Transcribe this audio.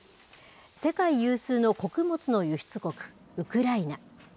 世界有数の穀物の輸出国、ウクライナ。